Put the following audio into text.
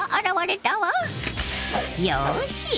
よし。